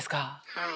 はい。